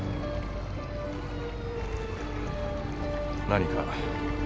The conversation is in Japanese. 何か？